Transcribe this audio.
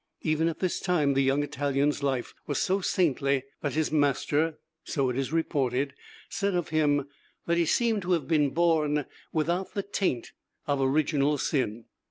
Even at this time the young Italian's life was so saintly that his master (so it is reported) said of him that he seemed to have been born without the taint of original sin.